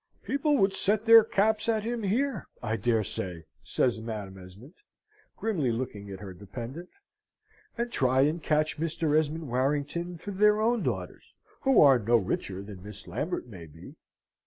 "People would set their caps at him here, I dare say," says Madam Esmond, grimly looking at her dependant, "and try and catch Mr. Esmond Warrington for their own daughters, who are no richer than Miss Lambert may be."